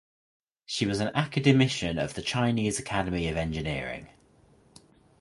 She was an academician of the Chinese Academy of Engineering.